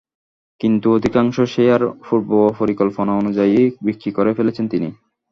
কিন্তু অধিকাংশ শেয়ার পূর্বপরিকল্পনা অনুযায়ী বিক্রি করে ফেলেছেন তিনি।